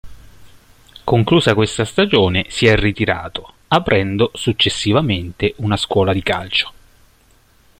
Conclusa questa stagione, si è ritirato, aprendo successivamente una scuola calcio.